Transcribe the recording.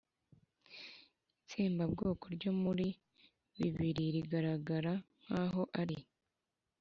itsembabwoko ryo muri bibiri rigaragara nkaho ari